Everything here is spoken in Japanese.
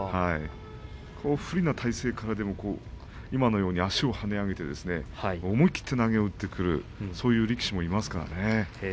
不利な体勢からでも今のように足を跳ね上げて思い切って投げを打ってくるそういう力士もいます。